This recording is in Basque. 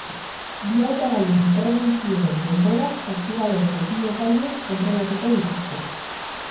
Bi hautagaien interbentzioen denborak saskibaloiko bi epailek kontrolatuko dituzte.